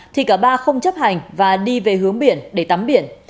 thì cả ba không chấp hành và đi về hướng biển để tắm biển